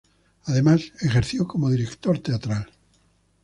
Además ejerció como director teatral.